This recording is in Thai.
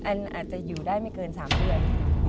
อาจจะอยู่ได้ไม่เกิน๓เดือน